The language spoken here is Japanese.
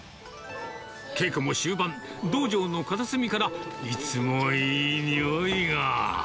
稽古も終盤、道場の片隅からいつもいいにおいが。